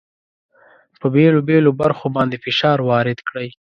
په بېلو بېلو برخو باندې فشار وارد کړئ.